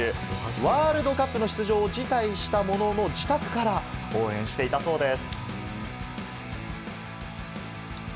ワールドカップの出場を辞退したものの、自宅から応援していたそうです。